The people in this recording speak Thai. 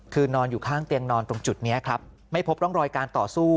คือนอนอยู่ข้างเตียงนอนตรงจุดนี้ครับไม่พบร่องรอยการต่อสู้